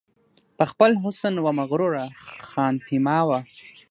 په خپل حسن وه مغروره خانتما وه